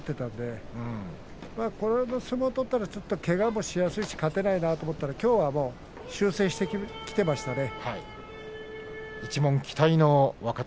きのうの相撲だったらけがもしやすいし勝てないなと思ったんですがきょうは修正してきましたね